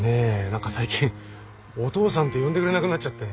何か最近「お父さん」って呼んでくれなくなっちゃって。